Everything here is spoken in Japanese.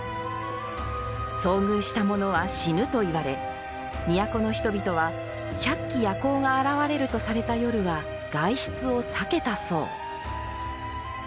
遭遇したものは、死ぬといわれ都の人々は百鬼夜行が現れるとされた夜は外出を避けたそう。